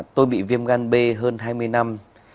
tôi bị viêm gan b hơn hai mươi năm